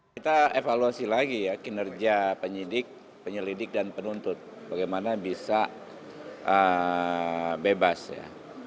kita evaluasi lagi ya kinerja penyidik penyelidik dan penuntut bagaimana bisa bebas ya